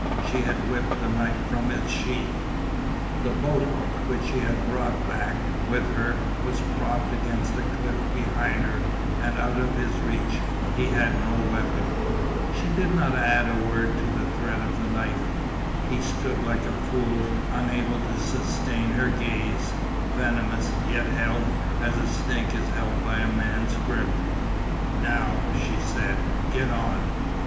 She had whipped the knife from its sheath. The boat hook, which she had brought back with her, was propped against the cliff behind her and out of his reach, he had no weapon. She did not add a word to the threat of the knife. He stood like a fool, unable to sustain her gaze, venomous, yet held, as a snake is held by a man's grip. "Now," she said, "get on.